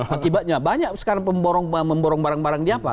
akibatnya banyak sekarang memborong barang barang di apa